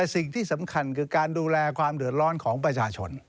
สิ่งที่สำคัญคือการดูแลความเดือดร้อนของประชาชน